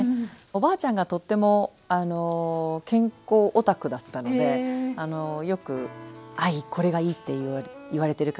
おばあちゃんがとっても健康オタクだったのでよくとかいろいろ教えてもらいましたね。